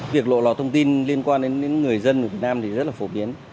việc lộ lọt thông tin liên quan đến người dân của việt nam thì rất là phổ biến